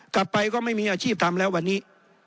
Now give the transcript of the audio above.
กลับไปก็ไม่มีอาชีพทำแล้ววันนี้